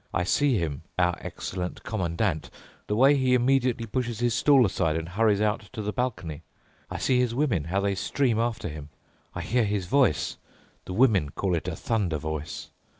I see him, our excellent Commandant—the way he immediately pushes his stool aside and hurries out to the balcony—I see his women, how they stream after him. I hear his voice—the women call it a thunder voice.